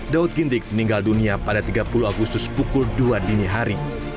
daud gintik meninggal dunia pada tiga puluh agustus pukul dua dini hari